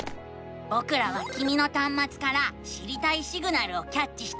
ぼくらはきみのたんまつから知りたいシグナルをキャッチしたのさ！